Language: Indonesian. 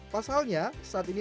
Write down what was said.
pasalnya saat ini